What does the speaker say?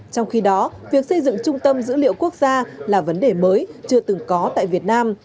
trong khi đó việc xây dựng trung tâm dữ liệu quốc gia là vấn đề mới chưa từng có tại việt nam